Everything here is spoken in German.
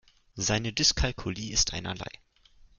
Seine Dyskalkulie ist einerlei.